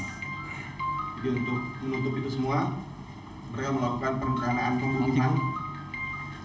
jadi untuk menutup itu semua mereka melakukan perencanaan penghubungan